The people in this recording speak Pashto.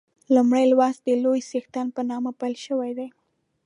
لومړی لوست د لوی څښتن په نامه پیل شوی دی.